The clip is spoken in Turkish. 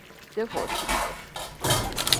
Defol şimdi.